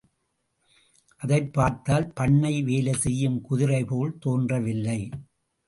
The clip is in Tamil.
அதைப் பார்த்தால் பண்ணை வேலை செய்யும் குதிரைபோல் தோன்றவில்லை.